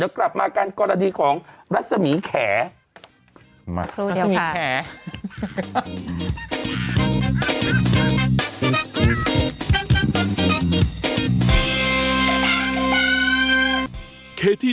เดี๋ยวกลับมากันกรดาดีของรัสสมีแขมาครูเดียวค่ะรัสสมี